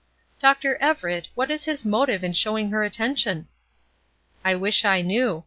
"Dr. Everett, what is his motive in showing her attention?" "I wish I knew.